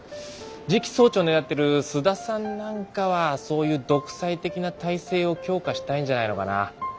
次期総長を狙ってる須田さんなんかはそういう独裁的な体制を強化したいんじゃないのかな。